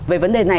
về vấn đề này